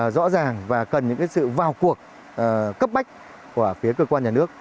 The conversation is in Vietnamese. rõ ràng và cần những sự vào cuộc cấp bách của phía cơ quan nhà nước